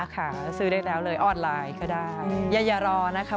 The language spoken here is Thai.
ค่ะซื้อได้แล้วเลยออนไลน์ก็ได้อืมอย่าอย่ารอนะครับ